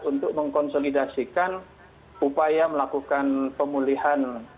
untuk mengkonsolidasikan upaya melakukan pemulihan